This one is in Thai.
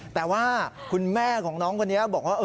แต่ว่าคุณแม่ของน้องคนนี้บอกว่า